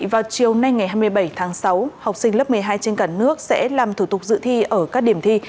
vào chiều nay ngày hai mươi bảy tháng sáu học sinh lớp một mươi hai trên cả nước sẽ làm thủ tục dự thi ở các điểm thi